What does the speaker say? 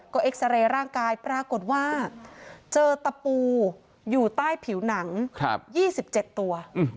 ก็เอ็กซาเรย์ร่างกายปรากฏว่าเจอตะปูอยู่ใต้ผิวหนัง๒๗ตัว